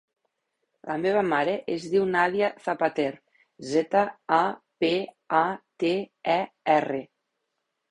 La meva mare es diu Nàdia Zapater: zeta, a, pe, a, te, e, erra.